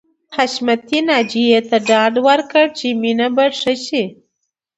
حشمتي ناجیې ته ډاډ ورکړ چې مينه به ښه شي